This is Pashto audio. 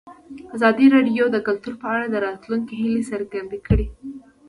ازادي راډیو د کلتور په اړه د راتلونکي هیلې څرګندې کړې.